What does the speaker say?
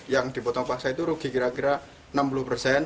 yang dipotong paksa itu rugi kira kira enam puluh persen